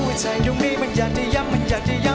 ว่าใจตรงนี้มันอยากจะย้ำมันอยากจะย้ำ